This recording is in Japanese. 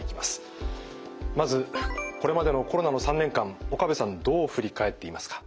まずこれまでのコロナの３年間岡部さんどう振り返っていますか？